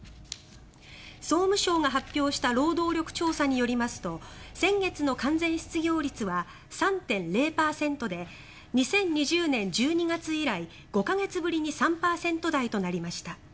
総務省が発表した労働力調査によりますと先月の完全失業率は３．０％で２０２０年１２月以来５か月ぶりに３％台となりました。